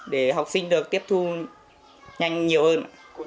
để học sinh được tiếp thu nhanh nhiều hơn